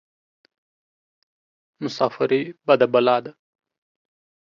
مساپرى بده بلا ده.